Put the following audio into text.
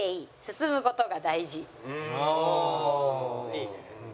いいね。